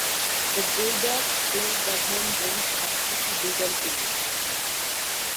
The Bulldogs played their home games at Pete Beiden Field.